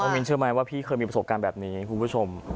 มินเชื่อไหมว่าพี่เคยมีประสบการณ์แบบนี้คุณผู้ชม